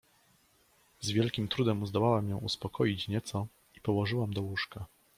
Z wielkim trudem zdołałam ją uspokoić nieco i położyłam do łóżka.